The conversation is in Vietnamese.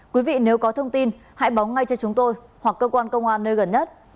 quý vị nếu có thông tin hãy báo ngay cho chúng tôi hoặc cơ quan công an nơi gần nhất